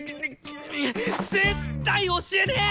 絶対教えねえ！